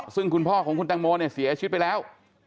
ซึ่งคุณพ่อของคุณตังโมเนี่ยเสียชีวิตไปแล้ว